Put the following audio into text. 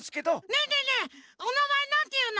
ねえねえねえおなまえなんていうの？